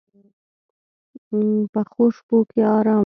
پخو شپو کې آرام وي